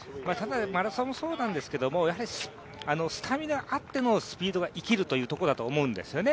マラソンもそうなんですけど、スタミナあってのスピードが生きるというところだと思うんですね。